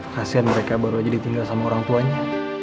kasian mereka baru aja ditinggal sama orang tuanya